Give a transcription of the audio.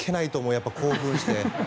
やっぱり興奮して。